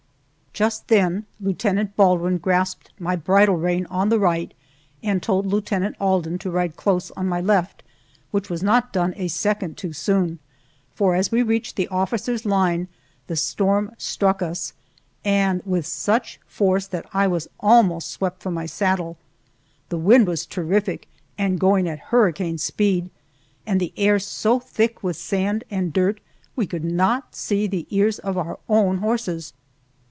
Just then Lieutenant Baldwin grasped my bridle rein on the right and told Lieutenant Alden to ride close on my left, which was done not a second too soon, for as we reached the officers' line the storm struck us, and with such force that I was almost swept from my saddle. The wind was terrific and going at hurricane speed, and the air so thick with sand and dirt we could not see the ears of our own horses.